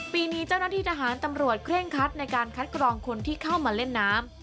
ปีนี้เจ้าหน้าที่ทหารตำรวจเคร่งคัดในการคัดกรองคนที่เข้ามาเล่นน้ำ